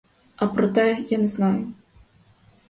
А проте, я не знаю.